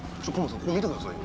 ここ見てくださいよ。